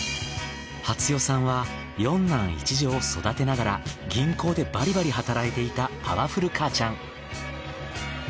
はつ代さんは４男１女を育てながら銀行でバリバリ働いていたパワフル母ちゃん。